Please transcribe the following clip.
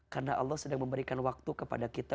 karena allah sedang memberikan waktu kepada kita